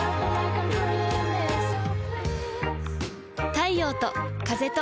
太陽と風と